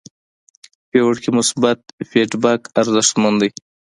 فیور کې مثبت فیډبک ارزښتمن دی.